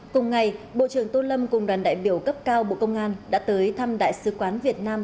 cùng ngày bộ trưởng tô lâm cùng đoàn đại biểu cấp cao bộ công an đã tới thăm đại sứ quán việt nam